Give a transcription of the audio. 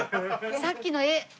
さっきの絵。